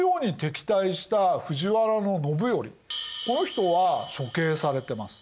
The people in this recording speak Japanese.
この人は処刑されてます。